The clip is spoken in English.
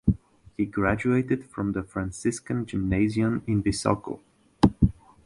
He graduated from the Franciscan Gymnasium in Visoko.